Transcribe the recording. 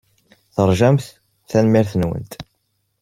Teṛjamt? Tanemmirt-nwent!